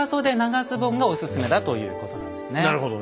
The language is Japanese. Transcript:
なるほどね。